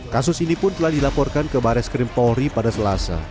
kasus ini pun telah dilaporkan ke baris krim polri pada selasa